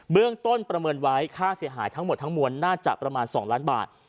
เรื่องต้นประเมินไว้ค่าเสียหายทั้งหมดทั้งมวลน่าจะประมาณ๒ล้านบาท